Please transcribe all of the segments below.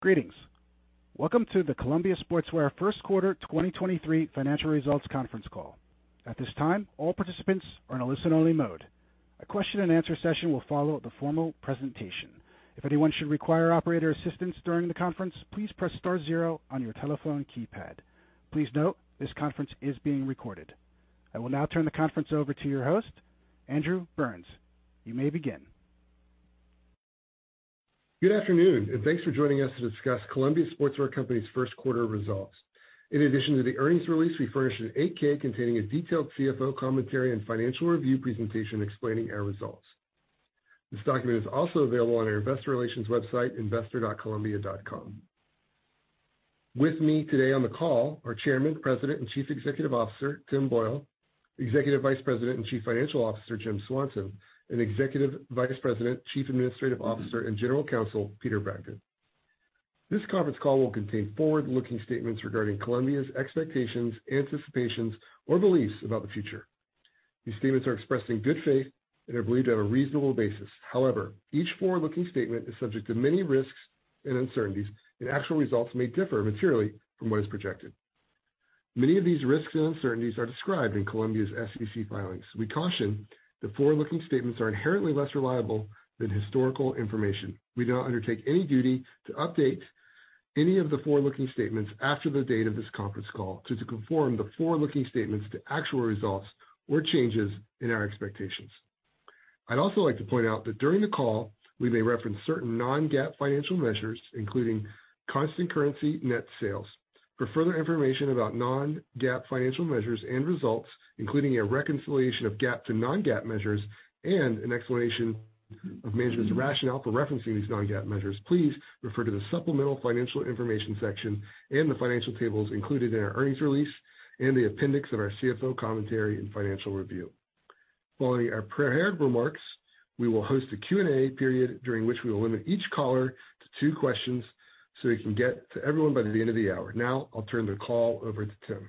Greetings. Welcome to the Columbia Sportswear First Quarter 2023 financial results conference call. At this time, all participants are in a listen-only mode. A question and answer session will follow the formal presentation. If anyone should require operator assistance during the conference, please press star zero on your telephone keypad. Please note, this conference is being recorded. I will now turn the conference over to your host, Andrew Burns. You may begin. Good afternoon, thanks for joining us to discuss Columbia Sportswear Company's first quarter results. In addition to the earnings release, we furnished an 8-K containing a detailed CFO commentary and financial review presentation explaining our results. This document is also available on our investor relations website, investor.columbia.com. With me today on the call are Chairman, President, and Chief Executive Officer, Tim Boyle, Executive Vice President and Chief Financial Officer, Jim Swanson, and Executive Vice President, Chief Administrative Officer, and General Counsel, Peter Bragdon. This conference call will contain forward-looking statements regarding Columbia's expectations, anticipations, or beliefs about the future. These statements are expressed in good faith and are believed at a reasonable basis. However, each forward-looking statement is subject to many risks and uncertainties, and actual results may differ materially from what is projected. Many of these risks and uncertainties are described in Columbia's SEC filings. We caution that forward-looking statements are inherently less reliable than historical information. We do not undertake any duty to update any of the forward-looking statements after the date of this conference call to conform the forward-looking statements to actual results or changes in our expectations. I'd also like to point out that during the call, we may reference certain non-GAAP financial measures, including constant currency net sales. For further information about non-GAAP financial measures and results, including a reconciliation of GAAP to non-GAAP measures and an explanation of management's rationale for referencing these non-GAAP measures, please refer to the supplemental financial information section and the financial tables included in our earnings release in the appendix of our CFO commentary and financial review. Following our prepared remarks, we will host a Q&A period during which we will limit each caller to two questions so we can get to everyone by the end of the hour. I'll turn the call over to Tim.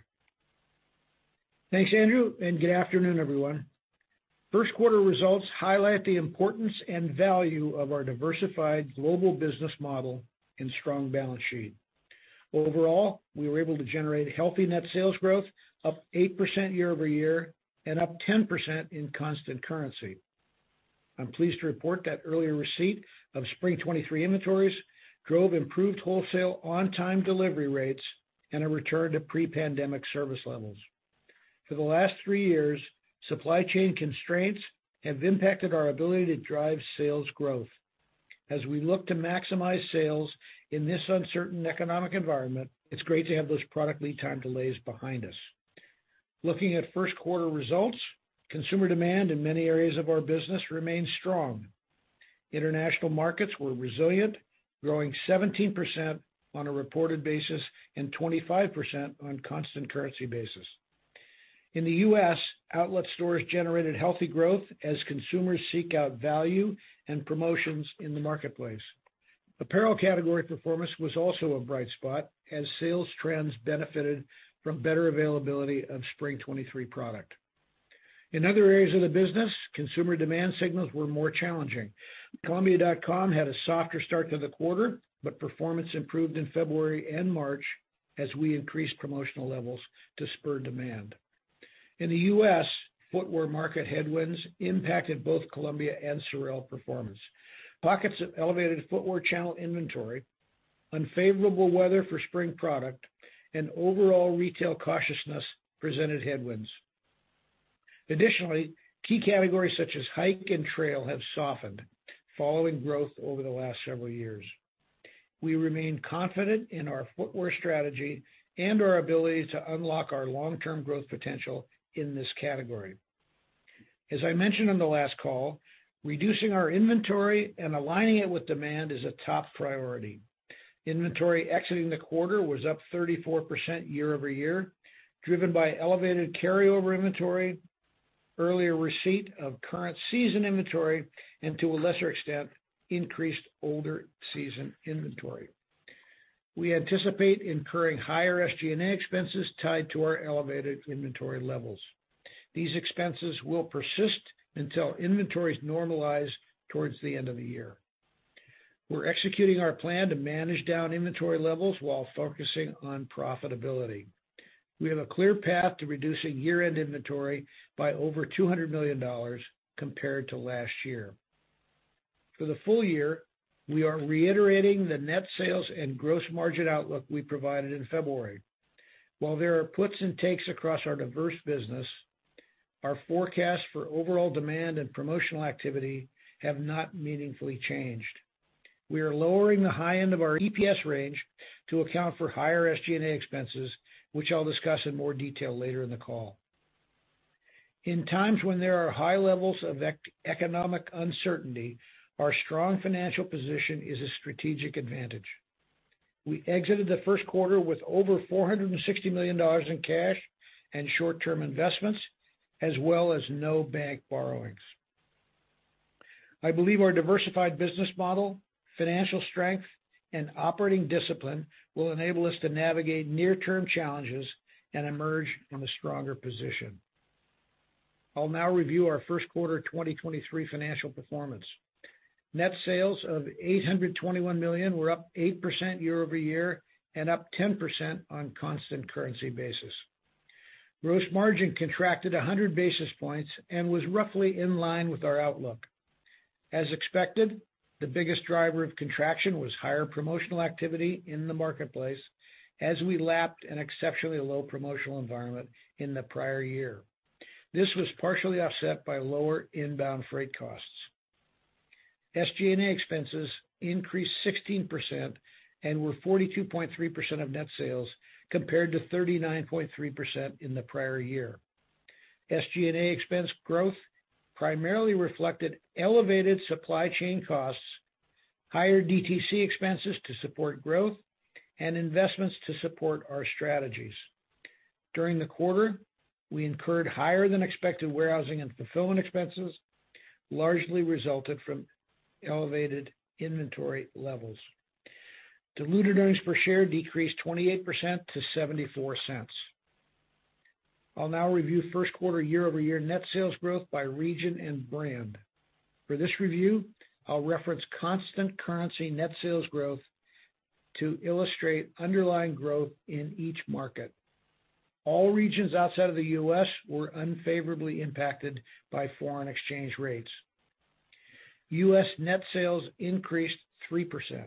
Thanks, Andrew. Good afternoon, everyone. First quarter results highlight the importance and value of our diversified global business model and strong balance sheet. Overall, we were able to generate healthy net sales growth up 8% year-over-year and up 10% in constant currency. I'm pleased to report that earlier receipt of spring 2023 inventories drove improved wholesale on-time delivery rates and a return to pre-pandemic service levels. For the last three years, supply chain constraints have impacted our ability to drive sales growth. As we look to maximize sales in this uncertain economic environment, it's great to have those product lead time delays behind us. Looking at first quarter results, consumer demand in many areas of our business remains strong. International markets were resilient, growing 17% on a reported basis and 25% on constant currency basis. In the U.S., outlet stores generated healthy growth as consumers seek out value and promotions in the marketplace. Apparel category performance was also a bright spot as sales trends benefited from better availability of spring 2023 product. In other areas of the business, consumer demand signals were more challenging. columbia.com had a softer start to the quarter, but performance improved in February and March as we increased promotional levels to spur demand. In the U.S., footwear market headwinds impacted both Columbia and SOREL performance. Pockets of elevated footwear channel inventory, unfavorable weather for spring product, and overall retail cautiousness presented headwinds. Additionally, key categories such as Hike & Trail have softened following growth over the last several years. We remain confident in our footwear strategy and our ability to unlock our long-term growth potential in this category. As I mentioned on the last call, reducing our inventory and aligning it with demand is a top priority. Inventory exiting the quarter was up 34% year-over-year, driven by elevated carryover inventory, earlier receipt of current season inventory, and to a lesser extent, increased older season inventory. We anticipate incurring higher SG&A expenses tied to our elevated inventory levels. These expenses will persist until inventories normalize towards the end of the year. We're executing our plan to manage down inventory levels while focusing on profitability. We have a clear path to reducing year-end inventory by over $200 million compared to last year. For the full-year, we are reiterating the net sales and gross margin outlook we provided in February. While there are puts and takes across our diverse business, our forecasts for overall demand and promotional activity have not meaningfully changed. We are lowering the high end of our EPS range to account for higher SG&A expenses, which I'll discuss in more detail later in the call. In times when there are high levels of economic uncertainty, our strong financial position is a strategic advantage. We exited the first quarter with over $460 million in cash and short-term investments, as well as no bank borrowings. I believe our diversified business model, financial strength, and operating discipline will enable us to navigate near-term challenges and emerge in a stronger position. I'll now review our first quarter 2023 financial performance. Net sales of $821 million were up 8% year-over-year and up 10% on constant currency basis. Gross margin contracted 100 basis points and was roughly in line with our outlook. As expected, the biggest driver of contraction was higher promotional activity in the marketplace as we lapped an exceptionally low promotional environment in the prior year. This was partially offset by lower inbound freight costs. SG&A expenses increased 16% and were 42.3% of net sales, compared to 39.3% in the prior year. SG&A expense growth primarily reflected elevated supply chain costs, higher DTC expenses to support growth, and investments to support our strategies. During the quarter, we incurred higher than expected warehousing and fulfillment expenses, largely resulted from elevated inventory levels. Diluted earnings per share decreased 28% to $0.74. I'll now review first quarter year-over-year net sales growth by region and brand. For this review, I'll reference constant currency net sales growth to illustrate underlying growth in each market. All regions outside of the U.S. were unfavorably impacted by foreign exchange rates. U.S. net sales increased 3%.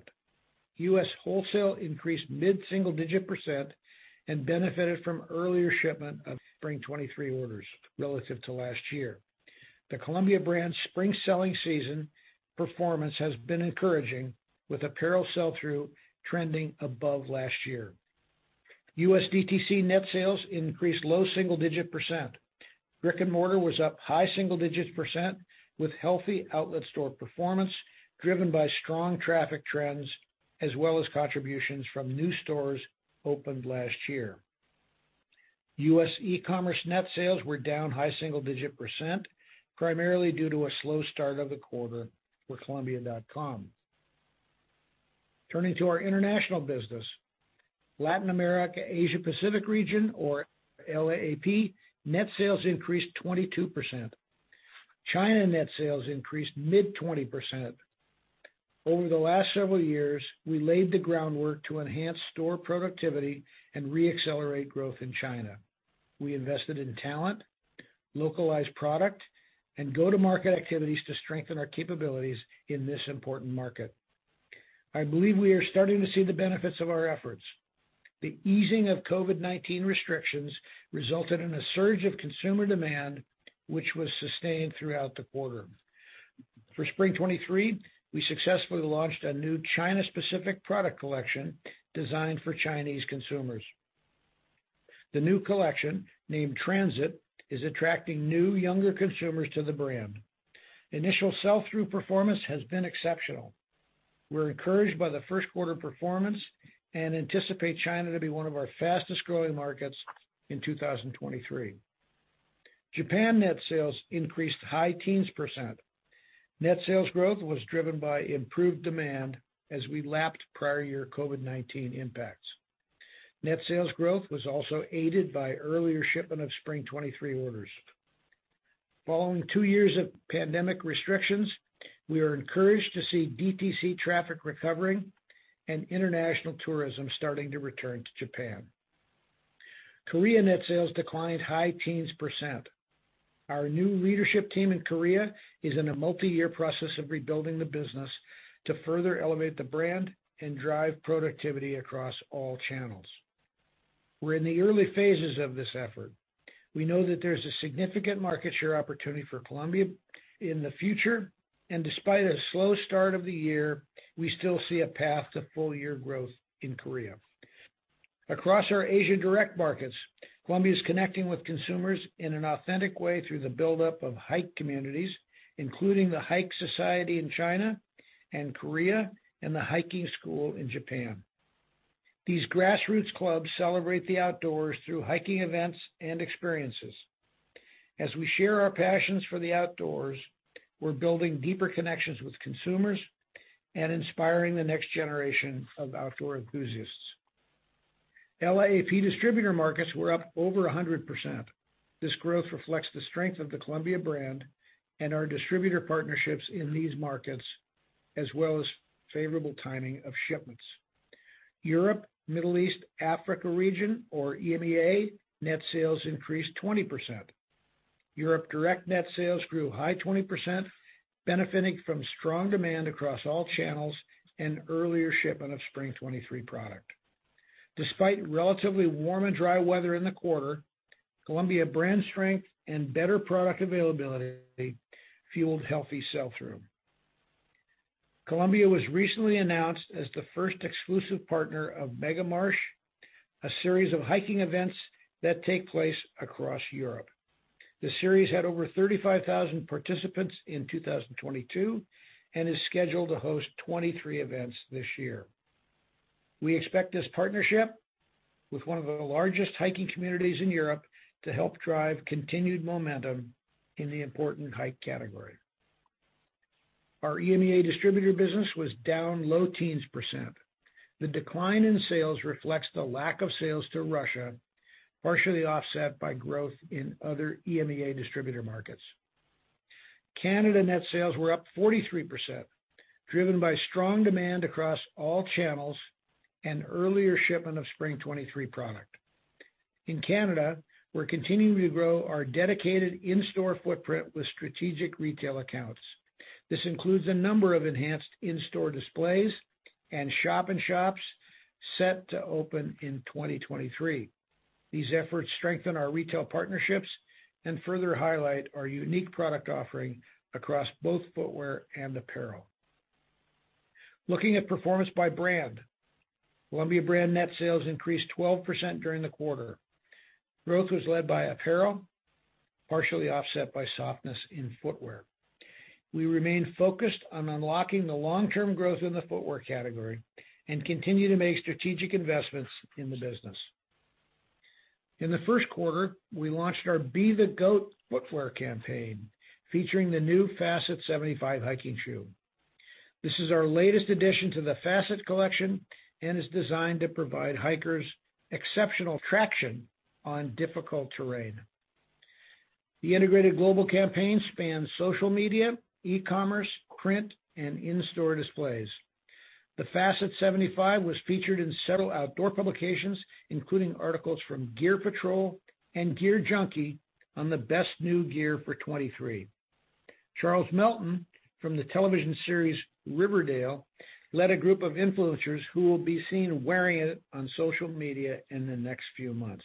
U.S. wholesale increased mid-single digit percent and benefited from earlier shipment of spring 2023 orders relative to last year. The Columbia brand's spring selling season performance has been encouraging, with apparel sell-through trending above last year. U.S. DTC net sales increased low single-digit percent. Brick-and-mortar was up high single-digit percent with healthy outlet store performance driven by strong traffic trends as well as contributions from new stores opened last year. U.S. e-commerce net sales were down high single-digit percent, primarily due to a slow start of the quarter for columbia.com. Turning to our international business. Latin America, Asia Pacific region or LAAP, net sales increased 22%. China net sales increased mid 20%. Over the last several years, we laid the groundwork to enhance store productivity and re-accelerate growth in China. We invested in talent, localized product, and go-to-market activities to strengthen our capabilities in this important market. I believe we are starting to see the benefits of our efforts. The easing of COVID-19 restrictions resulted in a surge of consumer demand, which was sustained throughout the quarter. For spring 2023, we successfully launched a new China-specific product collection designed for Chinese consumers. The new collection, named Transit, is attracting new younger consumers to the brand. Initial sell-through performance has been exceptional. We're encouraged by the first quarter performance and anticipate China to be one of our fastest-growing markets in 2023. Japan net sales increased high teens percent. Net sales growth was driven by improved demand as we lapped prior year COVID-19 impacts. Net sales growth was also aided by earlier shipment of spring 2023 orders. Following two years of pandemic restrictions, we are encouraged to see DTC traffic recovering and international tourism starting to return to Japan. Korea net sales declined high teens percent. Our new leadership team in Korea is in a multi-year process of rebuilding the business to further elevate the brand and drive productivity across all channels. We're in the early phases of this effort. We know that there's a significant market share opportunity for Columbia in the future, and despite a slow start of the year, we still see a path to full-year growth in Korea. Across our Asia direct markets, Columbia is connecting with consumers in an authentic way through the buildup of hike communities, including the Hike Society in China and Korea and the Hiking School in Japan. These grassroots clubs celebrate the outdoors through hiking events and experiences. As we share our passions for the outdoors, we're building deeper connections with consumers and inspiring the next generation of outdoor enthusiasts. LAAP distributor markets were up over 100%. This growth reflects the strength of the Columbia brand and our distributor partnerships in these markets, as well as favorable timing of shipments. Europe, Middle East, Africa region or EMEA net sales increased 20%. Europe direct net sales grew high 20%, benefiting from strong demand across all channels and earlier shipment of spring 2023 product. Despite relatively warm and dry weather in the quarter, Columbia brand strength and better product availability fueled healthy sell-through. Columbia was recently announced as the first exclusive partner of Megamarsch, a series of hiking events that take place across Europe. The series had over 35,000 participants in 2022 and is scheduled to host 23 events this year. We expect this partnership with one of the largest hiking communities in Europe to help drive continued momentum in the important hike category. Our EMEA distributor business was down low teens percent. The decline in sales reflects the lack of sales to Russia, partially offset by growth in other EMEA distributor markets. Canada net sales were up 43%, driven by strong demand across all channels and earlier shipment of spring 2023 product. In Canada, we're continuing to grow our dedicated in-store footprint with strategic retail accounts. This includes a number of enhanced in-store displays and shop and shops set to open in 2023. These efforts strengthen our retail partnerships and further highlight our unique product offering across both footwear and apparel. Looking at performance by brand. Columbia brand net sales increased 12% during the quarter. Growth was led by apparel, partially offset by softness in footwear. We remain focused on unlocking the long-term growth in the footwear category and continue to make strategic investments in the business. In the first quarter, we launched our Be The Goat footwear campaign, featuring the new Facet 75 hiking shoe. This is our latest addition to the Facet collection and is designed to provide hikers exceptional traction on difficult terrain. The integrated global campaign spans social media, e-commerce, print, and in-store displays. The Facet 75 was featured in several outdoor publications, including articles from Gear Patrol and GearJunkie on the best new gear for 2023. Charles Melton from the television series Riverdale led a group of influencers who will be seen wearing it on social media in the next few months.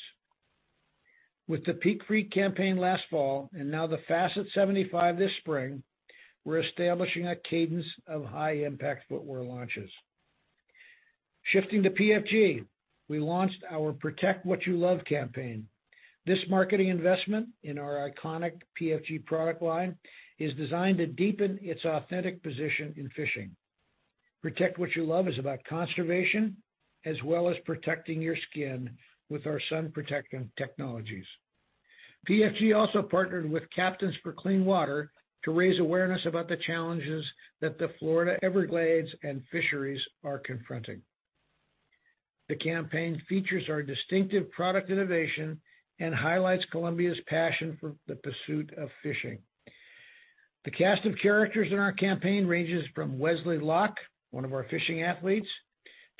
With the Peak Freak campaign last fall, and now the Facet 75 this spring, we're establishing a cadence of high-impact footwear launches. Shifting to PFG, we launched our Protect What You Love campaign. This marketing investment in our iconic PFG product line is designed to deepen its authentic position in fishing. Protect What You Love is about conservation as well as protecting your skin with our sun-protecting technologies. PFG also partnered with Captains For Clean Water to raise awareness about the challenges that the Florida Everglades and fisheries are confronting. The campaign features our distinctive product innovation and highlights Columbia's passion for the pursuit of fishing. The cast of characters in our campaign ranges from Wesley Locke, one of our fishing athletes,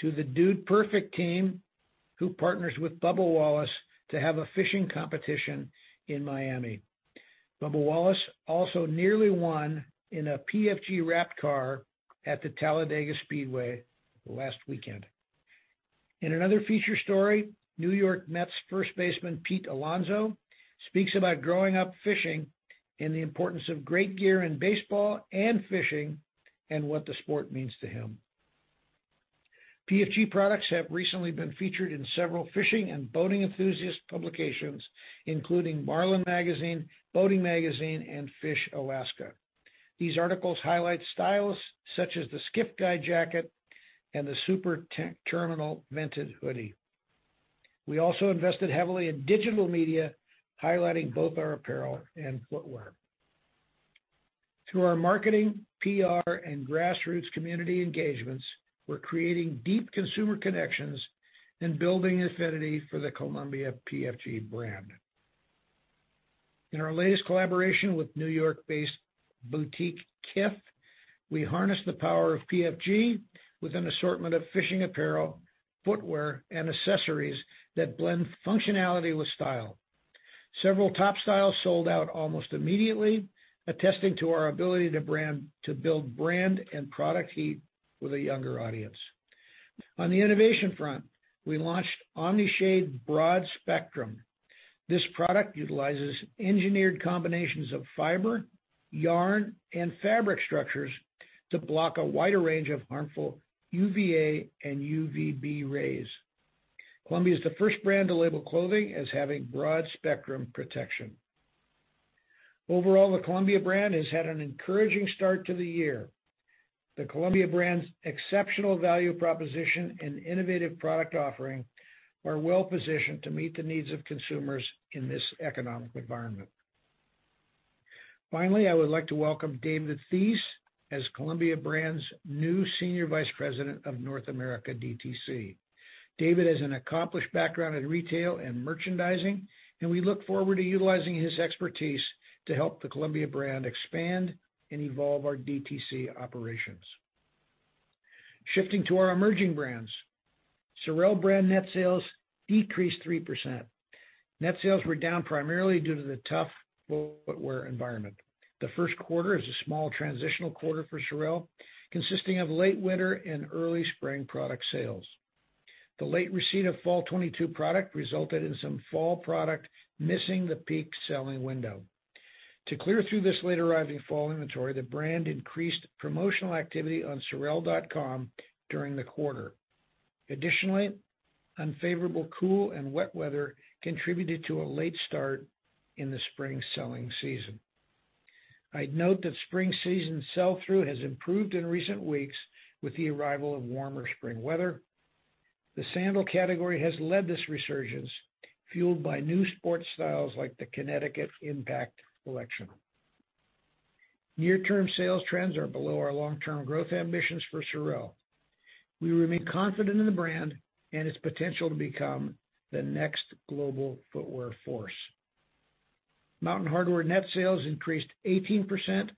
to the Dude Perfect team, who partners with Bubba Wallace to have a fishing competition in Miami. Bubba Wallace also nearly won in a PFG wrapped car at the Talladega Speedway last weekend. In another feature story, New York Mets first baseman Pete Alonso speaks about growing up fishing and the importance of great gear in baseball and fishing and what the sport means to him. PFG products have recently been featured in several fishing and boating enthusiast publications, including Marlin Magazine, Boating Magazine, and Fish Alaska. These articles highlight styles such as the Skiff Guide jacket and the Super Terminal Vented hoodie. We also invested heavily in digital media, highlighting both our apparel and footwear. Through our marketing, PR, and grassroots community engagements, we're creating deep consumer connections and building affinity for the Columbia PFG brand. In our latest collaboration with New York-based boutique Kith, we harnessed the power of PFG with an assortment of fishing apparel, footwear, and accessories that blend functionality with style. Several top styles sold out almost immediately, attesting to our ability to build brand and product heat with a younger audience. On the innovation front, we launched Omni-Shade Broad Spectrum. This product utilizes engineered combinations of fiber, yarn, and fabric structures to block a wider range of harmful UVA and UVB rays. Columbia is the first brand to label clothing as having broad-spectrum protection. Overall, the Columbia brand has had an encouraging start to the year. The Columbia brand's exceptional value proposition and innovative product offering are well positioned to meet the needs of consumers in this economic environment. Finally, I would like to welcome David Theiss as Columbia brand's new Senior Vice President of North America DTC. David has an accomplished background in retail and merchandising, and we look forward to utilizing his expertise to help the Columbia brand expand and evolve our DTC operations. Shifting to our emerging brands. SOREL brand net sales decreased 3%. Net sales were down primarily due to the tough footwear environment. The first quarter is a small transitional quarter for SOREL, consisting of late winter and early spring product sales. The late receipt of fall 2022 product resulted in some fall product missing the peak selling window. To clear through this late-arriving fall inventory, the brand increased promotional activity on SOREL.com during the quarter. Additionally, unfavorable cool and wet weather contributed to a late start in the spring selling season. I'd note that spring season sell-through has improved in recent weeks with the arrival of warmer spring weather. The sandal category has led this resurgence, fueled by new sports styles like the Kinetic Impact collection. Near-term sales trends are below our long-term growth ambitions for SOREL. We remain confident in the brand and its potential to become the next global footwear force. Mountain Hardwear net sales increased 18%,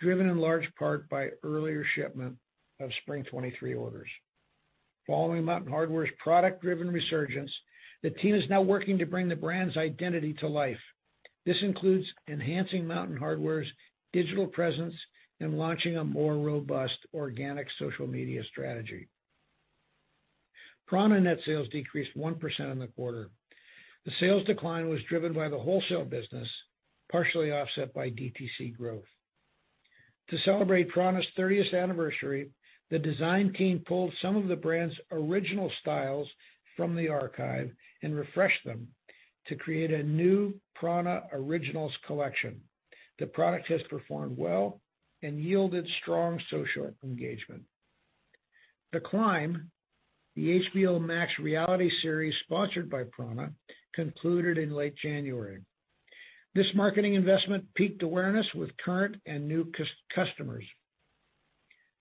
driven in large part by earlier shipment of spring 2023 orders. Following Mountain Hardwear's product-driven resurgence, the team is now working to bring the brand's identity to life. This includes enhancing Mountain Hardwear's digital presence and launching a more robust organic social media strategy. PrAna net sales decreased 1% in the quarter. The sales decline was driven by the wholesale business, partially offset by DTC growth. To celebrate prAna's 30th anniversary, the design team pulled some of the brand's original styles from the archive and refreshed them to create a new prAna Originals collection. The product has performed well and yielded strong social engagement. The Climb, the HBO Max reality series sponsored by prAna, concluded in late January. This marketing investment peaked awareness with current and new customers.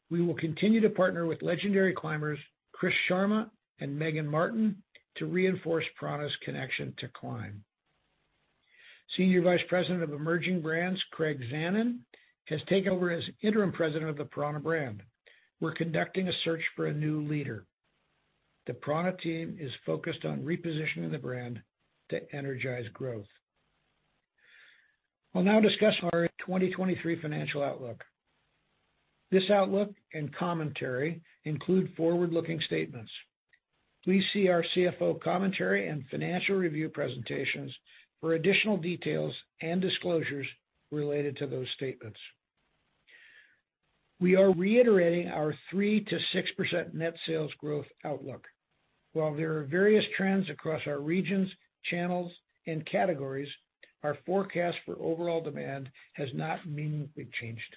We will continue to partner with legendary climbers Chris Sharma and Meagan Martin to reinforce prAna's connection to climb. Senior Vice President of Emerging Brands, Craig Zanon, has taken over as interim president of the prAna brand. We're conducting a search for a new leader. The prAna team is focused on repositioning the brand to energize growth. I'll now discuss our 2023 financial outlook. This outlook and commentary include forward-looking statements. Please see our CFO commentary and financial review presentations for additional details and disclosures related to those statements. We are reiterating our 3%-6% net sales growth outlook. While there are various trends across our regions, channels, and categories, our forecast for overall demand has not meaningfully changed.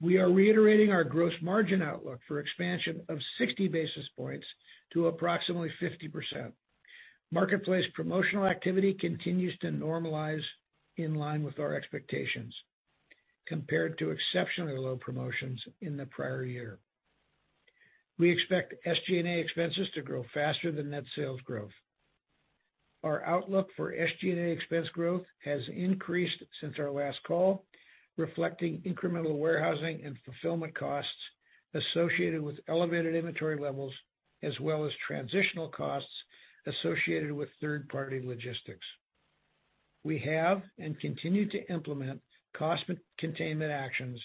We are reiterating our gross margin outlook for expansion of 60 basis points to approximately 50%. Marketplace promotional activity continues to normalize in line with our expectations compared to exceptionally low promotions in the prior year. We expect SG&A expenses to grow faster than net sales growth. Our outlook for SG&A expense growth has increased since our last call, reflecting incremental warehousing and fulfillment costs associated with elevated inventory levels as well as transitional costs associated with third-party logistics. We have and continue to implement cost containment actions.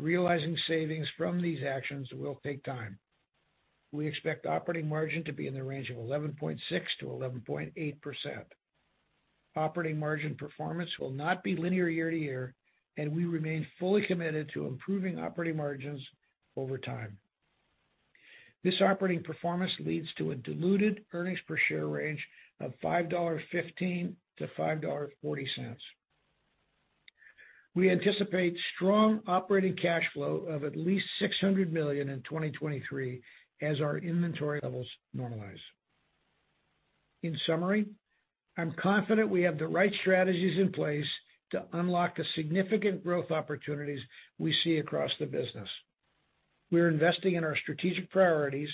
Realizing savings from these actions will take time. We expect operating margin to be in the range of 11.6%-11.8%. Operating margin performance will not be linear year-to-year, and we remain fully committed to improving operating margins over time. This operating performance leads to a diluted earnings per share range of $5.15-$5.40. We anticipate strong operating cash flow of at least $600 million in 2023 as our inventory levels normalize. In summary, I'm confident we have the right strategies in place to unlock the significant growth opportunities we see across the business. We're investing in our strategic priorities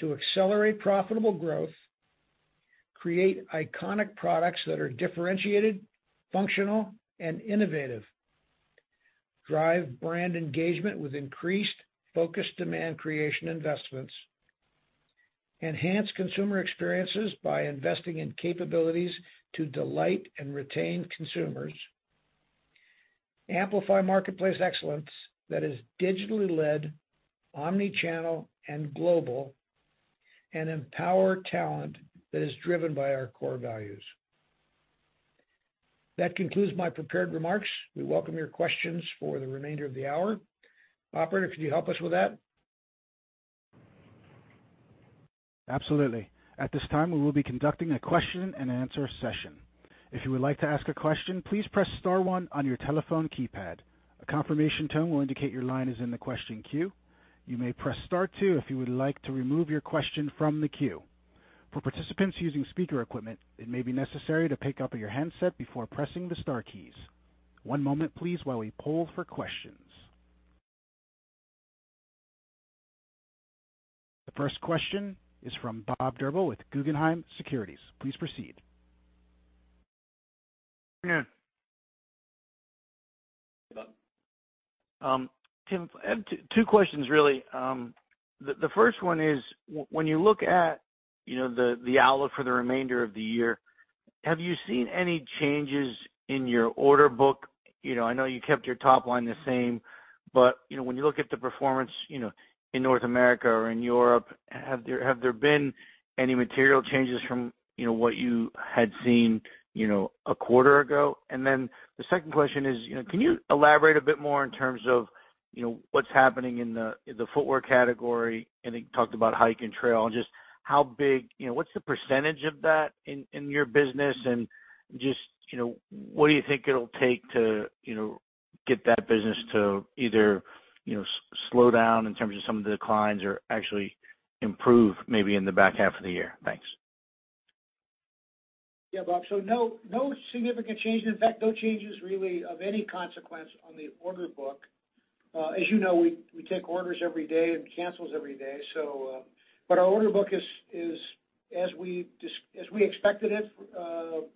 to accelerate profitable growth, create iconic products that are differentiated, functional, and innovative, drive brand engagement with increased focus demand creation investments, enhance consumer experiences by investing in capabilities to delight and retain consumers, amplify marketplace excellence that is digitally led, omni-channel and global, and empower talent that is driven by our core values. That concludes my prepared remarks. We welcome your questions for the remainder of the hour. Operator, could you help us with that? Absolutely. At this time, we will be conducting a question-and-answer session. If you would like to ask a question, please press star one on your telephone keypad. A confirmation tone will indicate your line is in the question queue. You may press star two if you would like to remove your question from the queue. For participants using speaker equipment, it may be necessary to pick up your handset before pressing the star keys. One moment, please, while we poll for questions. The first question is from Bob Drbul with Guggenheim Securities. Please proceed. Good afternoon. Tim, I have two questions really. The first one is when you look at, you know, the outlook for the remainder of the year, have you seen any changes in your order book? You know, I know you kept your top line the same, but, you know, when you look at the performance, you know, in North America or in Europe, have there been any material changes from, you know, what you had seen, you know, a quarter ago? The second question is, you know, can you elaborate a bit more in terms of, you know, what's happening in the footwear category? I think you talked about Hike & Trail, and just how big. You know, what's the percentage of that in your business? Just, you know, what do you think it'll take to Get that business to either, you know, slow down in terms of some of the declines or actually improve maybe in the back half of the year. Thanks. Yeah, Bob. No significant change. In fact, no changes really of any consequence on the order book. As you know, we take orders every day and cancels every day, so, but our order book is as we expected it,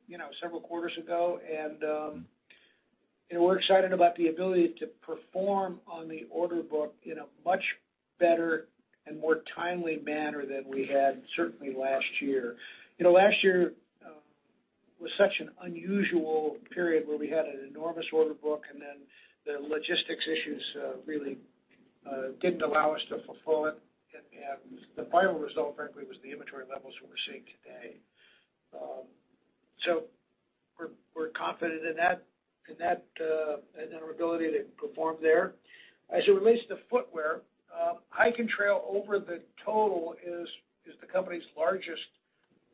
you know, several quarters ago. We're excited about the ability to perform on the order book in a much better and more timely manner than we had certainly last year. You know, last year was such an unusual period where we had an enormous order book, then the logistics issues really didn't allow us to fulfill it. The final result, frankly, was the inventory levels that we're seeing today. We're confident in that, and our ability to perform there. As it relates to footwear, Hike & Trail over the total is the company's largest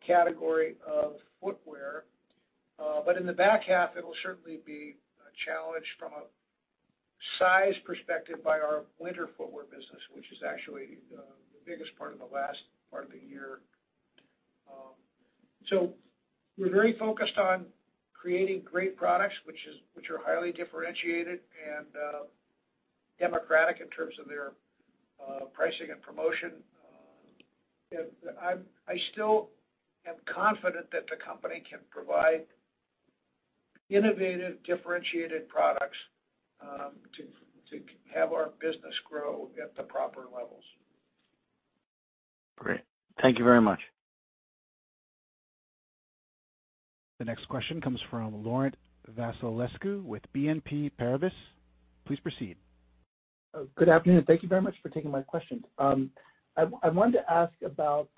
category of footwear. In the back half, it'll certainly be a challenge from a size perspective by our winter footwear business, which is actually the biggest part in the last part of the year. We're very focused on creating great products, which are highly differentiated and democratic in terms of their pricing and promotion. I still am confident that the company can provide innovative, differentiated products to have our business grow at the proper levels. Great. Thank you very much. The next question comes from Laurent Vasilescu with BNP Paribas. Please proceed. Good afternoon. Thank you very much for taking my questions. I wanted to ask about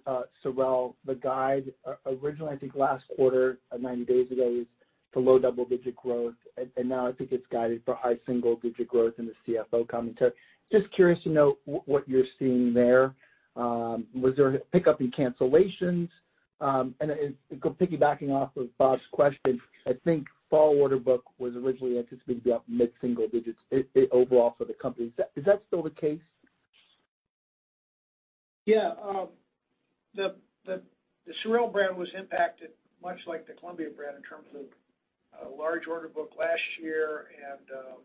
SOREL, the guide originally, I think last quarter, 90 days ago, is to low double-digit growth. Now I think it's guided for high single-digit growth in the CFO commentary. Just curious to know what you're seeing there. Was there a pickup in cancellations? Go piggybacking off of Bob's question, I think fall order book was originally anticipated to be up mid-single-digits overall for the company. Is that still the case? The SOREL brand was impacted much like the Columbia brand in terms of a large order book last year and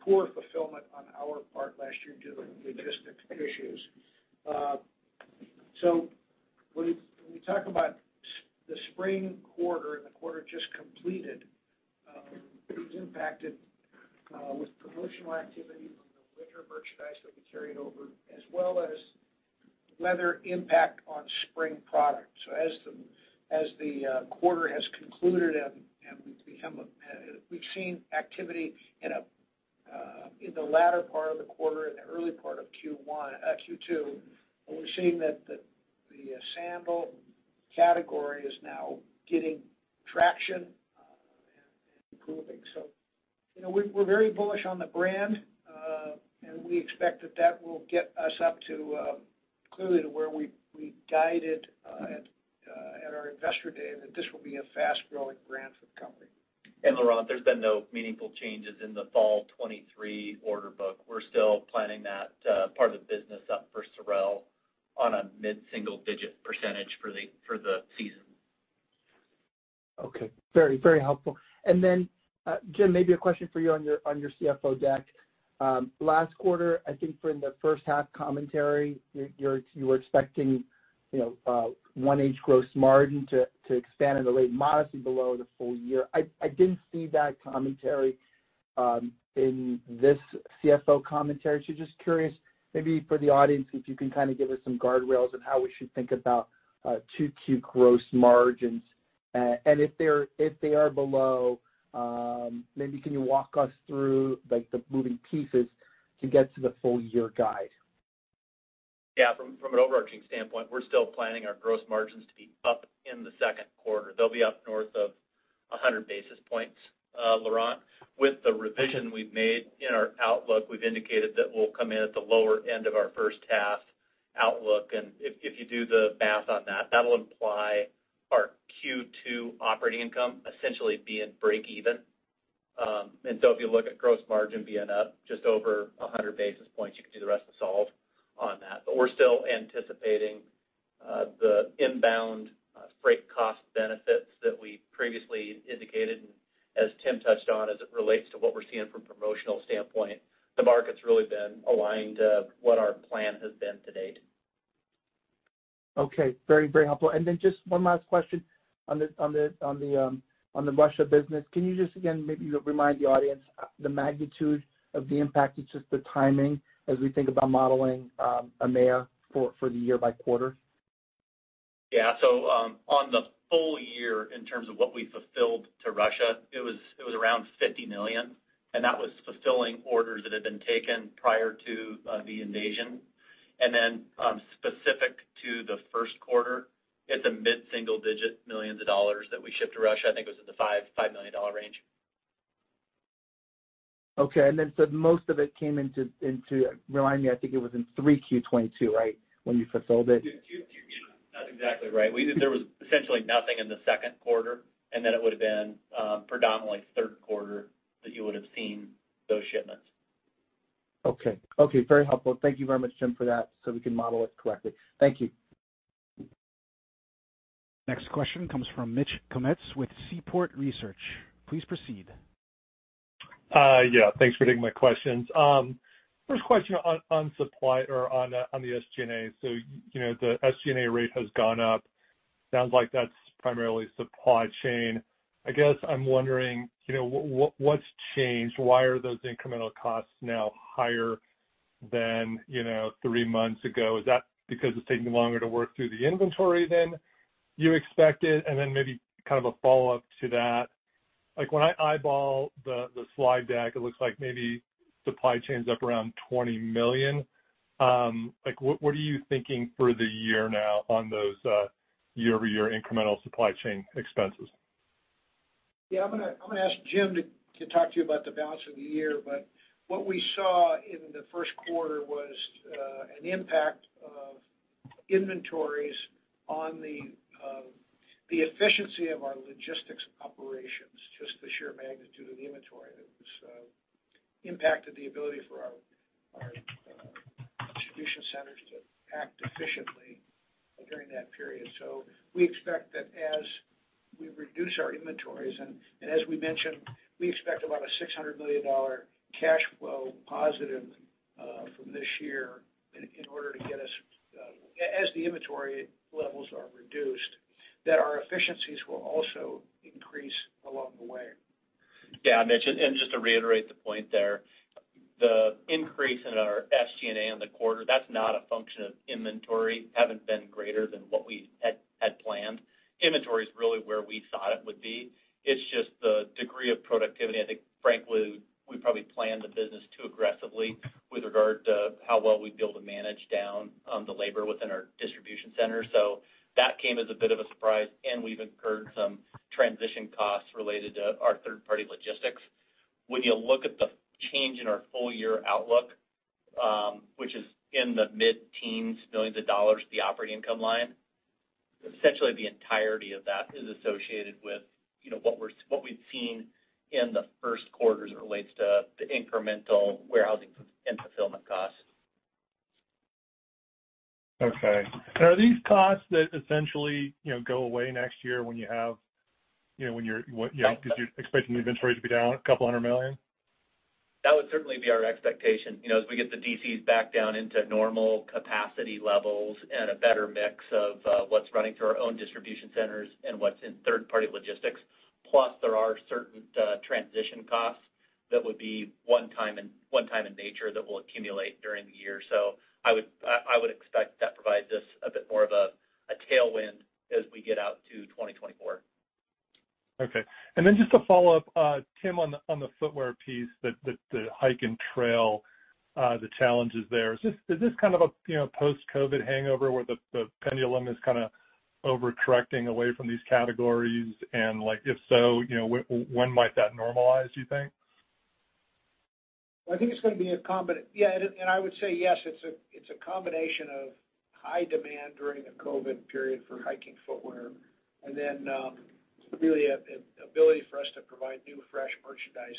poor fulfillment on our part last year due to logistics issues. When we talk about the spring quarter and the quarter just completed, it was impacted with promotional activity from the winter merchandise that we carried over, as well as weather impact on spring products. As the quarter has concluded and we've seen activity in the latter part of the quarter and the early part of Q1, Q2, and we're seeing that the sandal category is now getting traction and improving. You know, we're very bullish on the brand, and we expect that that will get us up to, clearly to where we guided, at our Investor Day, that this will be a fast-growing brand for the company. Laurent, there's been no meaningful changes in the fall 2023 order book. We're still planning that part of the business up for SOREL on a mid-single digit percent for the season. Okay. Very, very helpful. Jim, maybe a question for you on your, on your CFO deck. Last quarter, I think in the first half commentary, you were expecting, you know, 1H gross margin to expand in the late modestly below the full year. I didn't see that commentary in this CFO commentary. Just curious, maybe for the audience, if you can kind of give us some guardrails on how we should think about 2Q gross margins. If they are below, maybe can you walk us through, like, the moving pieces to get to the full-year guide? From an overarching standpoint, we're still planning our gross margins to be up in the second quarter. They'll be up north of 100 basis points, Laurent. With the revision we've made in our outlook, we've indicated that we'll come in at the lower end of our first half outlook. If you do the math on that'll imply our Q2 operating income essentially being breakeven. If you look at gross margin being up just over 100 basis points, you can do the rest of the solve on that. We're still anticipating the inbound freight cost benefits that we previously indicated. As Tim touched on, as it relates to what we're seeing from a promotional standpoint, the market's really been aligned to what our plan has been to date. Okay. Very, very helpful. Just one last question on the Russia business. Can you just again maybe remind the audience the magnitude of the impact, it's just the timing as we think about modeling EMEA for the year by quarter? Yeah. On the full-year, in terms of what we fulfilled to Russia, it was around $50 million, and that was fulfilling orders that had been taken prior to the invasion. Then, specific to the first quarter, it's a mid-single digit millions of dollars that we shipped to Russia. I think it was in the $5 million range. Okay. Most of it came into. Remind me, I think it was in 3Q 2022, right? When you fulfilled it? Exactly right. There was essentially nothing in the second quarter, it would have been predominantly third quarter that you would have seen those shipments. Okay, very helpful. Thank you very much, Jim, for that. We can model it correctly. Thank you. Next question comes from Mitch Kummetz with Seaport Research. Please proceed. Yeah, thanks for taking my questions. First question on supply or on the SG&A. You know, the SG&A rate has gone up. Sounds like that's primarily supply chain. I guess I'm wondering, you know, what's changed? Why are those incremental costs now higher than, you know, three months ago? Is that because it's taking longer to work through the inventory than you expected? Maybe kind of a follow-up to that. Like, when I eyeball the slide deck, it looks like maybe supply chain is up around $20 million. Like, what are you thinking for the year now on those year-over-year incremental supply chain expenses? Yeah, I'm gonna ask Jim to talk to you about the balance of the year, but what we saw in the first quarter was an impact of inventories on the efficiency of our logistics operations, just the sheer magnitude of inventory that was impacted the ability for our distribution centers to act efficiently during that period. We expect that as we reduce our inventories, and as we mentioned, we expect about a $600 million cash flow positive from this year. As the inventory levels are reduced, our efficiencies will also increase along the way. Mitch, and just to reiterate the point there, the increase in our SG&A on the quarter, that's not a function of inventory having been greater than what we had planned. Inventory is really where we thought it would be. It's just the degree of productivity. I think, frankly, we probably planned the business too aggressively with regard to how well we'd be able to manage down the labor within our distribution center. That came as a bit of a surprise, and we've incurred some transition costs related to our third-party logistics. When you look at the change in our full-year outlook, which is in the mid-teens millions of dollars to the operating income line, essentially the entirety of that is associated with, you know, what we've seen in the first quarter as it relates to the incremental warehousing and fulfillment costs. Okay. Are these costs that essentially, you know, go away next year when you have, you know, what, you know, because you're expecting the inventory to be down $200 million? That would certainly be our expectation. You know, as we get the DCs back down into normal capacity levels and a better mix of what's running through our own distribution centers and what's in third-party logistics, plus there are certain transition costs that would be one time in nature that will accumulate during the year. I would expect that provides us a bit more of a tailwind as we get out to 2024. Okay. Just to follow up, Tim, on the footwear piece, the Hike & Trail, the challenges there. Is this kind of a, you know, post-COVID hangover where the pendulum is kinda over-correcting away from these categories? Like, if so, you know, when might that normalize, do you think? I think it's gonna be yeah, and I would say, yes, it's a combination of high demand during the COVID-19 period for hiking footwear and then, really a ability for us to provide new, fresh merchandise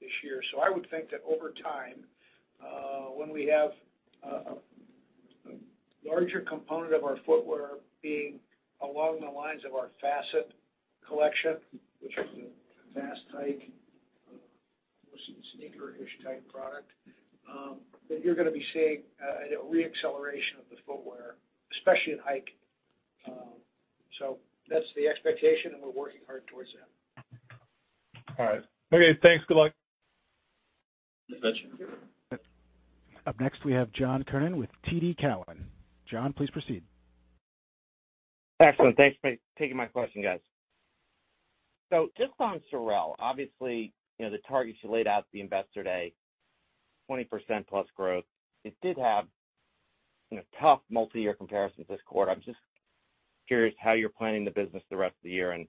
this year. I would think that over time, when we have a larger component of our footwear being along the lines of our Facet collection, which is a fast hike, more sneaker-ish type product, that you're gonna be seeing, you know, re-acceleration of the footwear, especially in Hike. That's the expectation, and we're working hard towards that. All right. Okay, thanks. Good luck. Thanks, Mitch. Up next, we have John Kernan with TD Cowen. John, please proceed. Excellent. Thanks for taking my question, guys. Just on SOREL, obviously, you know, the targets you laid out at the investor day, 20%+ growth. It did have, you know, tough multi-year comparisons this quarter. I'm just curious how you're planning the business the rest of the year and,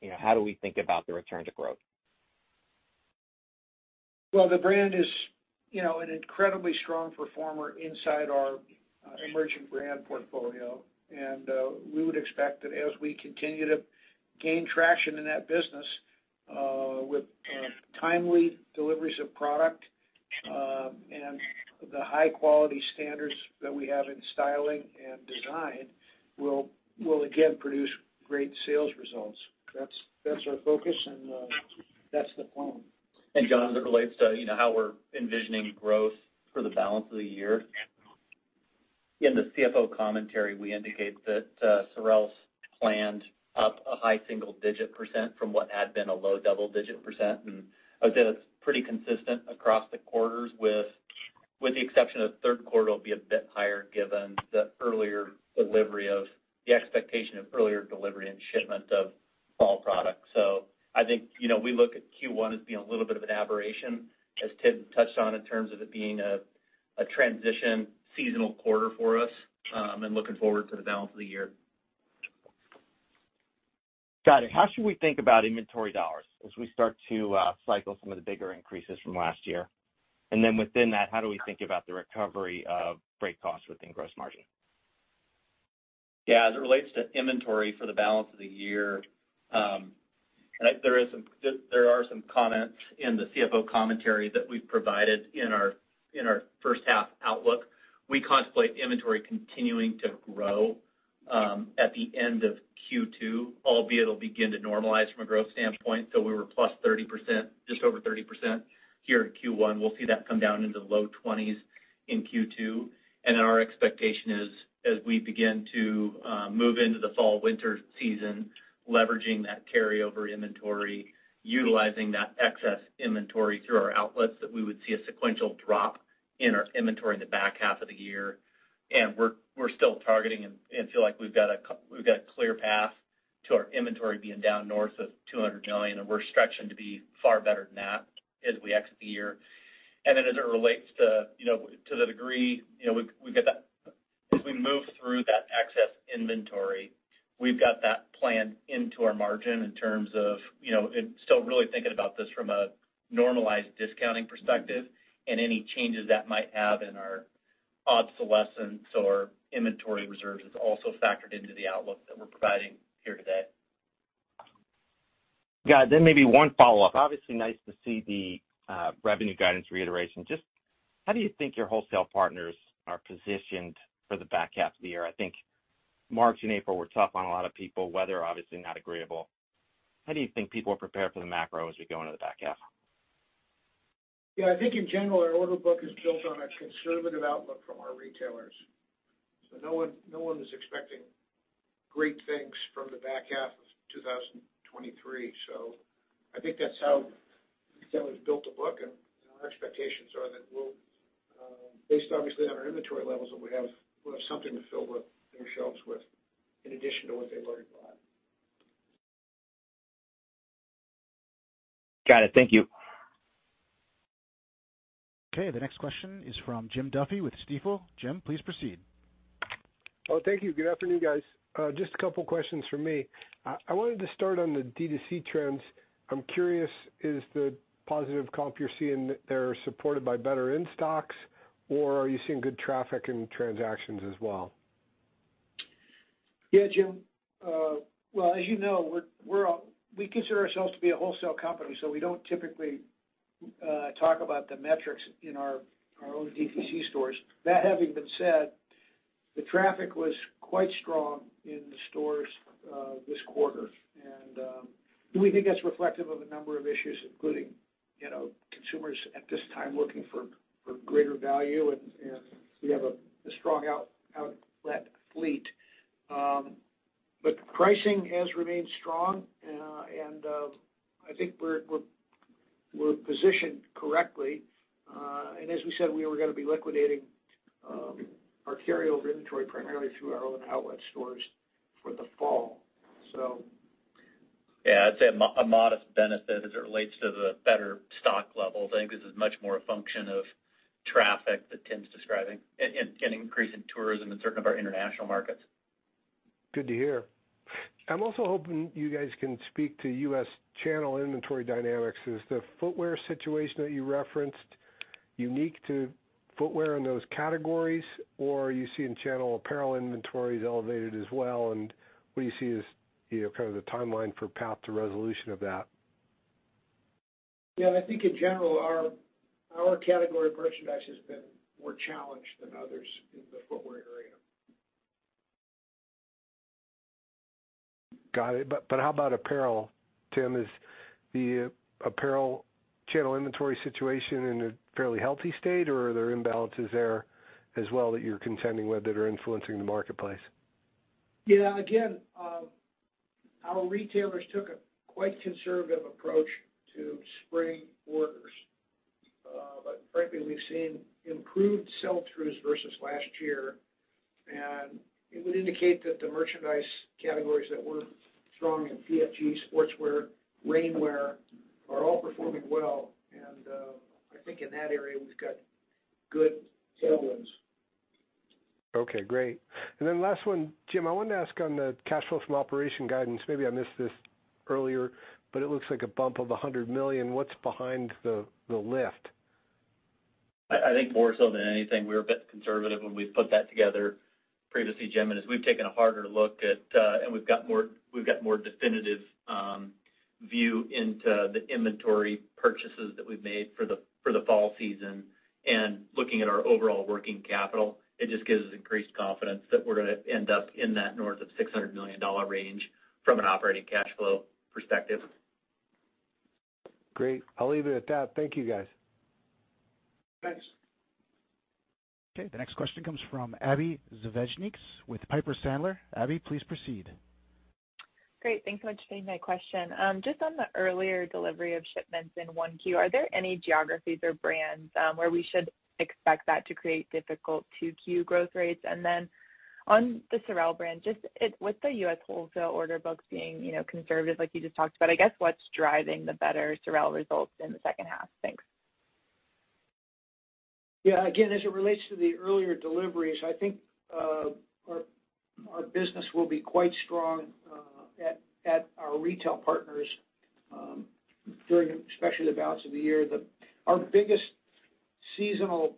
you know, how do we think about the return to growth? Well, the brand is, you know, an incredibly strong performer inside our emerging brand portfolio. We would expect that as we continue to gain traction in that business, with timely deliveries of product, and the high quality standards that we have in styling and design will again produce great sales results. That's our focus and that's the plan. John, as it relates to, you know, how we're envisioning growth for the balance of the year. In the CFO commentary, we indicate that SOREL's planned up a high single digit percent from what had been a low double digit percent. I would say that's pretty consistent across the quarters with the exception of third quarter will be a bit higher given the expectation of earlier delivery and shipment of fall product. I think, you know, we look at Q1 as being a little bit of an aberration, as Tim touched on, in terms of it being a transition seasonal quarter for us, and looking forward to the balance of the year. Got it. How should we think about inventory dollars as we start to cycle some of the bigger increases from last year? Within that, how do we think about the recovery of freight costs within gross margin? Yeah, as it relates to inventory for the balance of the year, there are some comments in the CFO commentary that we've provided in our first half outlook. We contemplate inventory continuing to grow at the end of Q2, albeit it'll begin to normalize from a growth standpoint. We were +30%, just over 30% here in Q1. We'll see that come down into the low twenties in Q2. Our expectation is, as we begin to move into the fall/winter season, leveraging that carryover inventory, utilizing that excess inventory through our outlets, that we would see a sequential drop in our inventory in the back half of the year. We're still targeting and feel like we've got a clear path to our inventory being down north of $200 million, and we're stretching to be far better than that as we exit the year. As it relates to, you know, to the degree, as we move through that excess inventory, we've got that planned into our margin in terms of, you know, and still really thinking about this from a normalized discounting perspective and any changes that might have in our obsolescence or inventory reserves is also factored into the outlook that we're providing here today. Got it. Maybe one follow-up. Obviously, nice to see the revenue guidance reiteration. Just how do you think your wholesale partners are positioned for the back half of the year? I think March and April were tough on a lot of people, weather obviously not agreeable. How do you think people are prepared for the macro as we go into the back half? Yeah. I think in general, our order book is built on a conservative outlook from our retailers. No one was expecting great things from the back half of 2023. I think that's how retailers built the book, and our expectations are that we'll, based obviously on our inventory levels, that we have, we'll have something to fill their shelves with in addition to what they've already bought. Got it. Thank you. Okay, the next question is from Jim Duffy with Stifel. Jim, please proceed. Oh, thank you. Good afternoon, guys. Just a couple questions from me. I wanted to start on the DTC trends. I'm curious, is the positive comp you're seeing there supported by better in-stocks or are you seeing good traffic in transactions as well? Yeah, Jim. Well, as you know, we consider ourselves to be a wholesale company, so we don't typically talk about the metrics in our own DTC stores. That having been said, the traffic was quite strong in the stores this quarter. We think that's reflective of a number of issues, including, you know, consumers at this time looking for greater value, and we have a strong out-outlet fleet. Pricing has remained strong. I think we're positioned correctly. As we said, we were gonna be liquidating our carryover inventory primarily through our own outlet stores for the fall. Yeah, I'd say a modest benefit as it relates to the better stock levels. I think this is much more a function of traffic that Tim's describing and an increase in tourism in certain of our international markets. Good to hear. I'm also hoping you guys can speak to U.S. channel inventory dynamics. Is the footwear situation that you referenced unique to footwear in those categories, or are you seeing channel apparel inventories elevated as well? What do you see as, you know, kind of the timeline for path to resolution of that? Yeah. I think in general, our category of merchandise has been more challenged than others in the footwear area. Got it. How about apparel, Tim? Is the apparel channel inventory situation in a fairly healthy state, or are there imbalances there as well that you're contending with that are influencing the marketplace? Yeah. Again, our retailers took a quite conservative approach to spring orders. Frankly, we've seen improved sell-throughs versus last year, and it would indicate that the merchandise categories that were strong in PFG, sportswear, rainwear are all performing well. I think in that area we've got good tailwinds. Okay, great. Last one. Jim, I wanted to ask on the cash flow from operation guidance. Maybe I missed this earlier, but it looks like a bump of $100 million. What's behind the lift? I think more so than anything, we were a bit conservative when we put that together previously, Jim. As we've taken a harder look at, we've got more definitive view into the inventory purchases that we've made for the, for the fall season and looking at our overall working capital, it just gives us increased confidence that we're gonna end up in that north of $600 million range from an operating cash flow perspective. Great. I'll leave it at that. Thank you, guys. Thanks. Okay. The next question comes from Abbie Zvejnieks with Piper Sandler. Abby, please proceed. Great. Thanks so much for taking my question. Just on the earlier delivery of shipments in 1Q, are there any geographies or brands, where we should expect that to create difficult 2Q growth rates? On the SOREL brand, just with the U.S. wholesale order book being, you know, conservative like you just talked about, I guess what's driving the better SOREL results in the second half? Thanks. Yeah. Again, as it relates to the earlier deliveries, I think our business will be quite strong at our retail partners during especially the balance of the year. Our biggest seasonal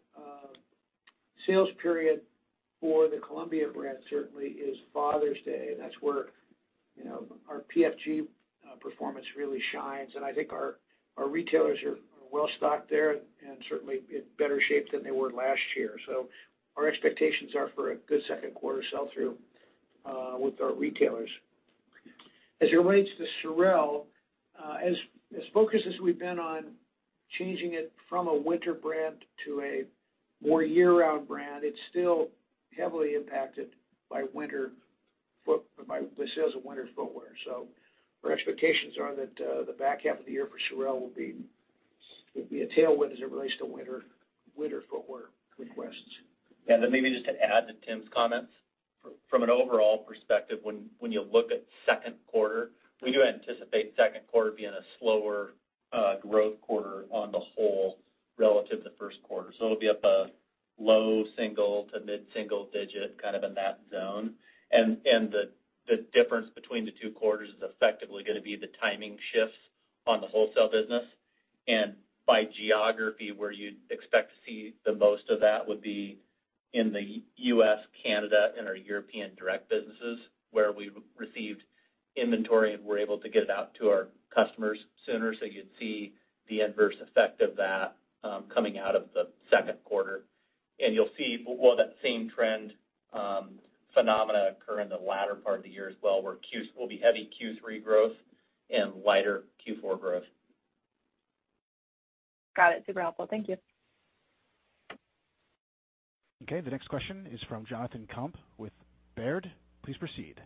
sales period for the Columbia brand certainly is Father's Day. That's where, you know, our PFG performance really shines. I think our retailers are well stocked there and certainly in better shape than they were last year. Our expectations are for a good second quarter sell-through with our retailers. As it relates to SOREL, as focused as we've been on changing it from a winter brand to a more year-round brand, it's still heavily impacted by the sales of winter footwear. Our expectations are that the back half of the year for SOREL will be a tailwind as it relates to winter footwear requests. Yeah. Then maybe just to add to Tim's comments. From an overall perspective, when you look at second quarter, we do anticipate second quarter being a slower growth quarter on the whole relative to first quarter. It'll be up a low single- to mid-single-digit percent, kind of in that zone. The difference between the two quarters is effectively gonna be the timing shifts on the wholesale business. By geography, where you'd expect to see the most of that would be in the U.S., Canada, and our European direct businesses, where we've received inventory and we're able to get it out to our customers sooner. You'd see the adverse effect of that coming out of the second quarter. you'll see, well, that same trend, phenomena occur in the latter part of the year as well, where will be heavy Q3 growth and lighter Q4 growth. Got it. Super helpful. Thank you. Okay. The next question is from Jonathan Komp with Baird. Please proceed.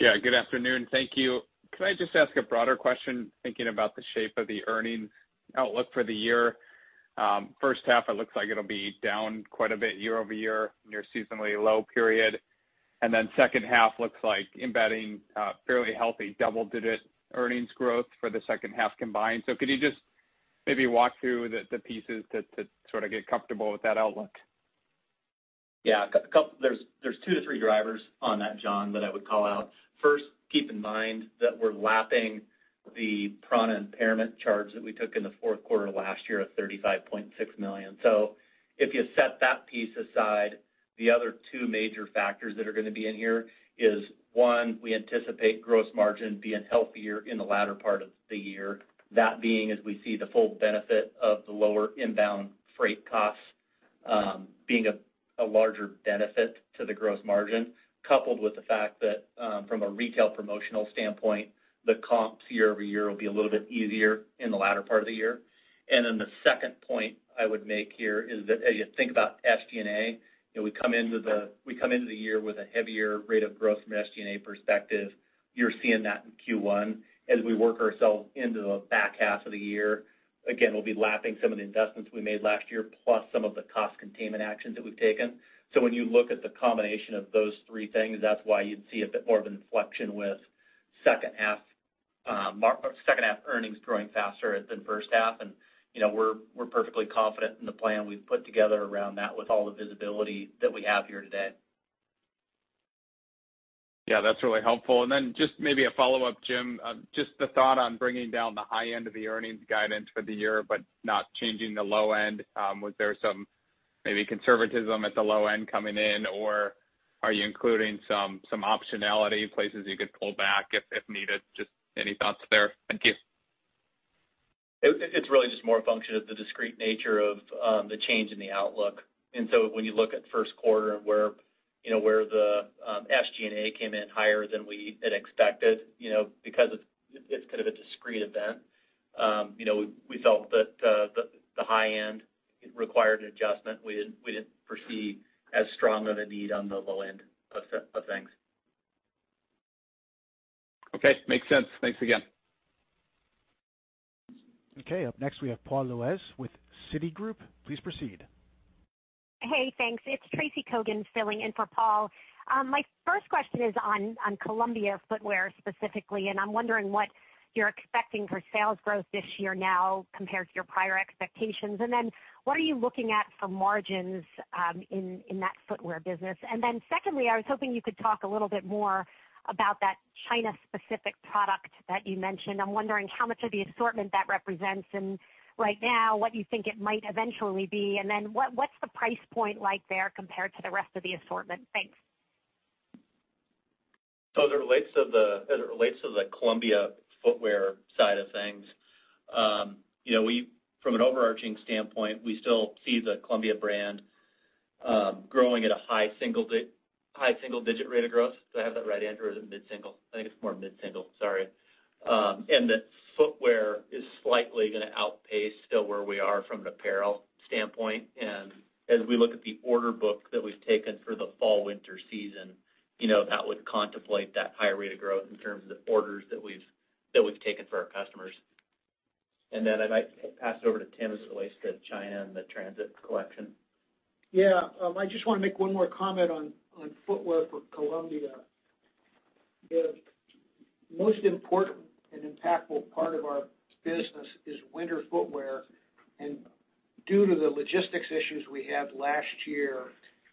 Good afternoon. Thank you. Can I just ask a broader question, thinking about the shape of the earnings outlook for the year? First half, it looks like it'll be down quite a bit year-over-year, near seasonally low period. Second half looks like embedding fairly healthy double-digit earnings growth for the second half combined. Could you just maybe walk through the pieces to sort of get comfortable with that outlook? Yeah. There's two to three drivers on that, Jon, that I would call out. First, keep in mind that we're lapping the prAna impairment charge that we took in the fourth quarter last year of $35.6 million. If you set that piece aside, the other two major factors that are gonna be in here is, one, we anticipate gross margin being healthier in the latter part of the year. That being as we see the full benefit of the lower inbound freight costs, being a larger benefit to the gross margin, coupled with the fact that, from a retail promotional standpoint, the comps year-over-year will be a little bit easier in the latter part of the year. The second point I would make here is that as you think about SG&A, you know, we come into the year with a heavier rate of growth from an SG&A perspective. You're seeing that in Q1. As we work ourselves into the back half of the year, again, we'll be lapping some of the investments we made last year, plus some of the cost containment actions that we've taken. When you look at the combination of those three things, that's why you'd see a bit more of an inflection with second half, second half earnings growing faster than first half. You know, we're perfectly confident in the plan we've put together around that with all the visibility that we have here today. Yeah, that's really helpful. Just maybe a follow-up, Jim, just the thought on bringing down the high end of the earnings guidance for the year, but not changing the low end. Was there some maybe conservatism at the low end coming in or are you including some optionality places you could pull back if needed? Just any thoughts there? Thank you. It's really just more a function of the discrete nature of the change in the outlook. When you look at first quarter where, you know, where the SG&A came in higher than we had expected, you know, because it's kind of a discrete event, you know, we felt that the high end required an adjustment. We didn't foresee as strong of a need on the low end of things. Okay. Makes sense. Thanks again. Okay. Up next, we have Paul Lejuez with Citigroup. Please proceed. Hey, thanks. It's Tracy Kogan filling in for Paul. My first question is on Columbia footwear specifically, I'm wondering what you're expecting for sales growth this year now compared to your prior expectations. What are you looking at for margins in that footwear business? Secondly, I was hoping you could talk a little bit more about that China specific product that you mentioned. I'm wondering how much of the assortment that represents, right now, what you think it might eventually be, what's the price point like there compared to the rest of the assortment? Thanks. As it relates to the, as it relates to the Columbia footwear side of things, we from an overarching standpoint, we still see the Columbia brand growing at a high single digit rate of growth. Do I have that right, Andrew, or is it mid-single? I think it's more mid-single. Sorry. The footwear is slightly gonna outpace still where we are from an apparel standpoint. As we look at the order book that we've taken for the fall/winter season, that would contemplate that higher rate of growth in terms of the orders that we've taken for our customers. Then I might pass it over to Tim as it relates to China and the Transit Collection. I just wanna make one more comment on footwear for Columbia. The most important and impactful part of our business is winter footwear. Due to the logistics issues we had last year,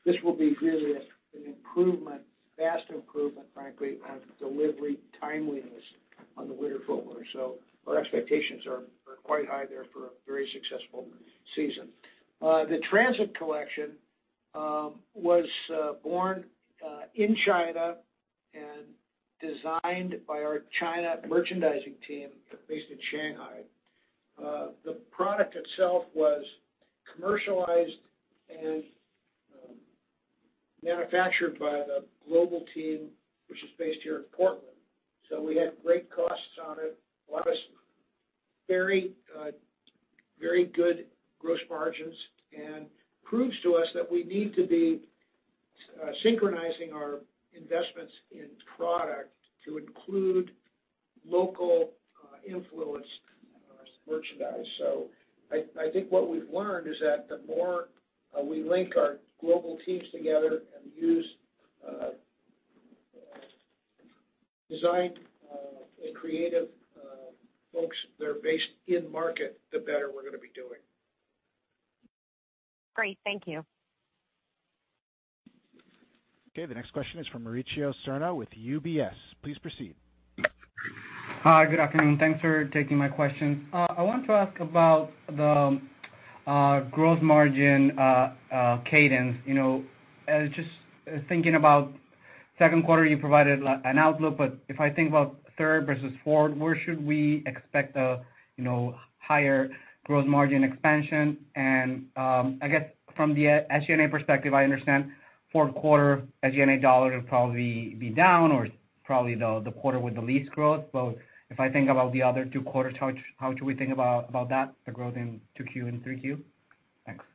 this will be really an improvement, vast improvement, frankly, on delivery timeliness on the winter footwear. Our expectations are quite high there for a very successful season. The Transit Collection was born in China and designed by our China merchandising team based in Shanghai. The product itself was commercialized and manufactured by the global team, which is based here in Portland. We had great costs on it, a lot of very good gross margins, and proves to us that we need to be synchronizing our investments in product to include local influence merchandise. I think what we've learned is that the more we link our global teams together and use design and creative folks that are based in market, the better we're gonna be doing. Great. Thank you. Okay. The next question is from Mauricio Serna with UBS. Please proceed. Hi, good afternoon. Thanks for taking my questions. I want to ask about the gross margin cadence. You know, just thinking about second quarter, you provided an outlook, but if I think about third versus fourth, where should we expect a, you know, higher gross margin expansion? I guess from the SG&A perspective, I understand fourth quarter SG&A dollars will probably be down or probably the quarter with the least growth. If I think about the other two quarters, how should we think about that, the growth in 2Q and 3Q? Thanks.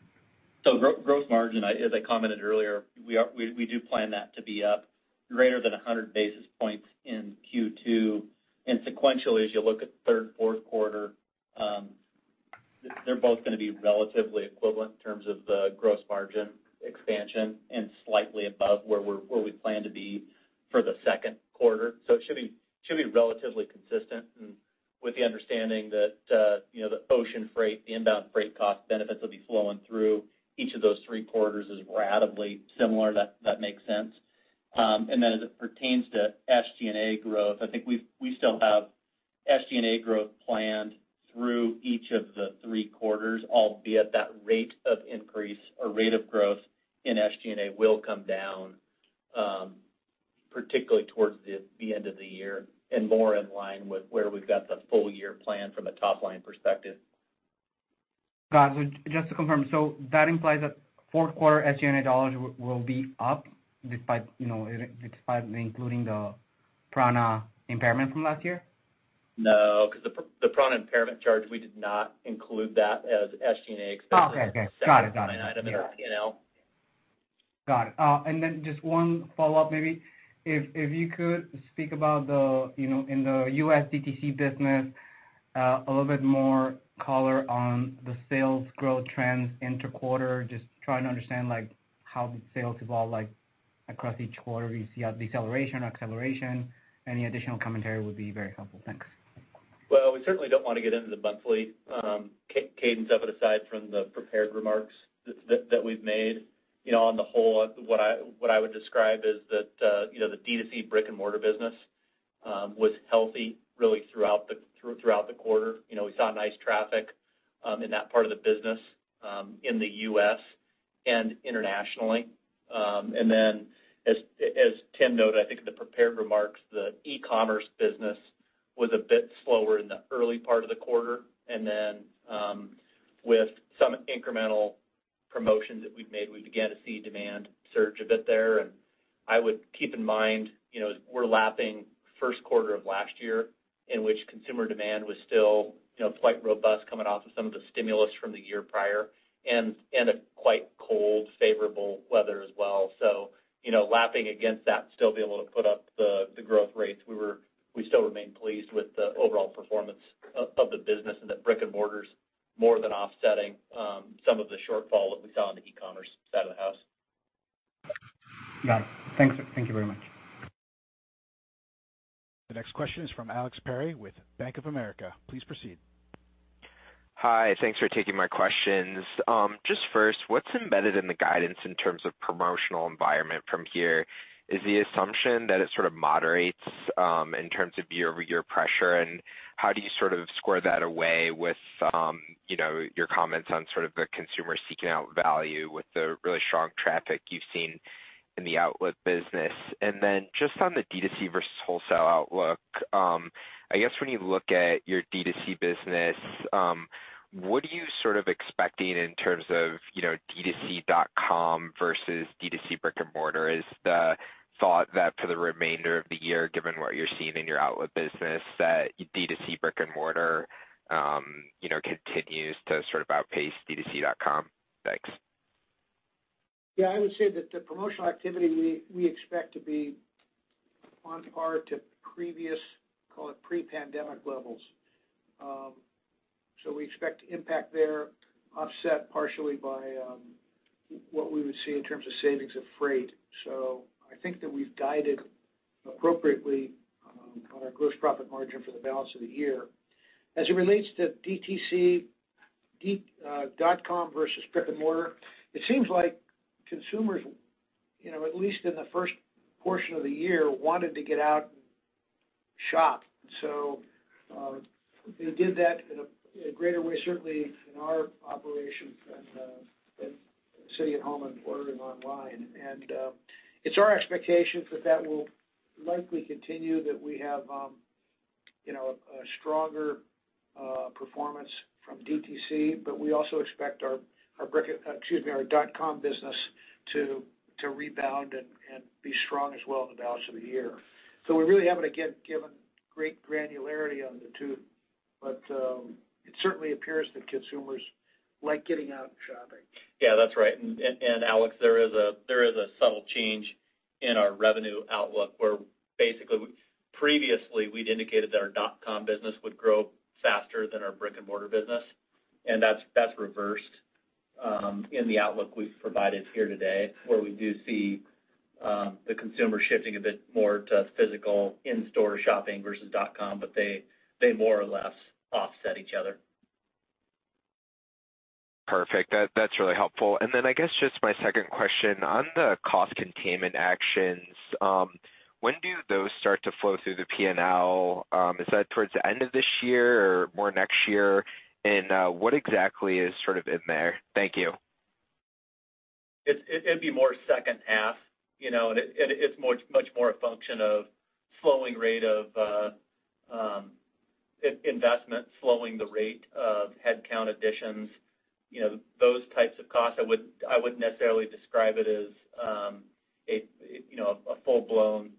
Gross, gross margin, as I commented earlier, we do plan that to be up greater than 100 basis points in Q2. Sequentially, as you look at third, fourth quarter, they're both gonna be relatively equivalent in terms of the gross margin expansion and slightly above where we plan to be for the second quarter. It should be relatively consistent. With the understanding that, you know, the ocean freight, the inbound freight cost benefits will be flowing through each of those three quarters as ratably similar, that makes sense. As it pertains to SG&A growth, I think we still have SG&A growth planned through each of the three quarters, albeit that rate of increase or rate of growth in SG&A will come down, particularly towards the end of the year and more in line with where we've got the full-year plan from a top line perspective. Got it. Just to confirm, that implies that fourth quarter SG&A dollars will be up despite, you know, despite including the prAna impairment from last year? No, because the prAna impairment charge, we did not include that as SG&A expenses. Okay. Got it. item in our P&L. Got it. Just one follow-up maybe. If, if you could speak about the, you know, in the U.S. DTC business, a little bit more color on the sales growth trends inter quarter? Just trying to understand, like, how the sales evolve, like, across each quarter. Do you see a deceleration or acceleration? Any additional commentary would be very helpful. Thanks. Well, we certainly don't wanna get into the monthly cadence of it aside from the prepared remarks that we've made. You know, on the whole, what I would describe is that, you know, the DTC brick-and-mortar business was healthy really throughout the quarter. You know, we saw nice traffic in that part of the business in the U.S. and internationally. As Tim noted, I think in the prepared remarks, the e-commerce business was a bit slower in the early part of the quarter. With some incremental promotions that we've made, we began to see demand surge a bit there. I would keep in mind, you know, we're lapping first quarter of last year in which consumer demand was still, you know, quite robust coming off of some of the stimulus from the year prior and a quite cold, favorable weather as well. You know, lapping against that and still be able to put up the growth rates, we still remain pleased with the overall performance of the business and that brick-and-mortars more than offsetting some of the shortfall that we saw on the e-commerce side of the house. Got it. Thank you. Thank you very much. The next question is from Alex Perry with Bank of America. Please proceed. Hi. Thanks for taking my questions. Just first, what's embedded in the guidance in terms of promotional environment from here? Is the assumption that it sort of moderates in terms of year-over-year pressure? How do you sort of square that away with, you know, your comments on sort of the consumer seeking out value with the really strong traffic you've seen in the outlet business? Just on the DTC versus wholesale outlook, I guess when you look at your DTC business, what are you sort of expecting in terms of, you know, DTC.com versus DTC brick-and-mortar? Is the thought that for the remainder of the year, given what you're seeing in your outlet business, that DTC brick-and-mortar, you know, continues to sort of outpace DTC.com? Thanks. Yeah. I would say that the promotional activity we expect to be on par to previous, call it pre-COVID-19 levels. We expect impact there offset partially by what we would see in terms of savings of freight. I think that we've guided appropriately on our gross profit margin for the balance of the year. As it relates to DTC.com versus brick-and-mortar, it seems like consumers, you know, at least in the first portion of the year, wanted to get out and shop. They did that in a, in a greater way, certainly in our operation than sitting at home and ordering online. It's our expectations that that will likely continue, that we have, you know, a stronger performance from DTC, but we also expect our dot com business to rebound and be strong as well in the balance of the year. We really haven't, again, given great granularity on the two, but it certainly appears that consumers like getting out and shopping. Yeah, that's right. Alex, there is a subtle change in our revenue outlook, where basically previously we'd indicated that our dot com business would grow faster than our brick-and-mortar business, and that's reversed in the outlook we've provided here today, where we do see the consumer shifting a bit more to physical in-store shopping versus dot com, but they more or less offset each other. Perfect. That's really helpful. I guess just my second question, on the cost containment actions, when do those start to flow through the P&L? Is that towards the end of this year or more next year? What exactly is sort of in there? Thank you. It'd be more second half, you know. It's much more a function of slowing rate of investment, slowing the rate of headcount additions, you know, those types of costs. I wouldn't necessarily describe it as, you know, a full-blown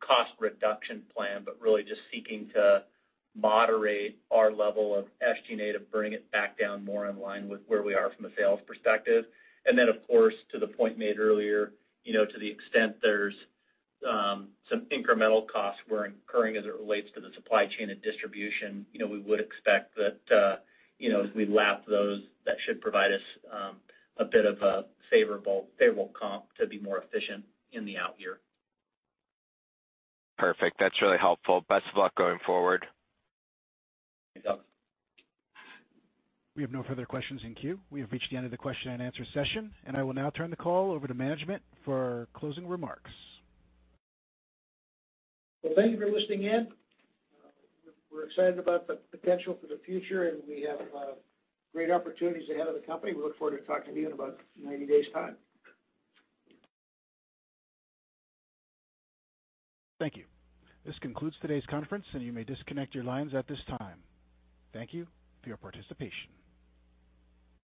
cost reduction plan, but really just seeking to moderate our level of SG&A to bring it back down more in line with where we are from a sales perspective. Of course, to the point made earlier, you know, to the extent there's some incremental costs we're incurring as it relates to the supply chain and distribution, you know, we would expect that, you know, as we lap those, that should provide us a bit of a favorable comp to be more efficient in the out year. Perfect. That's really helpful. Best of luck going forward. Thanks, Alex. We have no further questions in queue. We have reached the end of the question and answer session. I will now turn the call over to management for closing remarks. Well, thank you for listening in. We're excited about the potential for the future, we have great opportunities ahead of the company. We look forward to talking to you in about 90 days' time. Thank you. This concludes today's conference. You may disconnect your lines at this time. Thank you for your participation.